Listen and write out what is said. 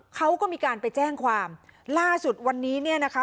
เขาก็มีการไปแจ้งความล่าสุดวันนี้เนี่ยนะคะ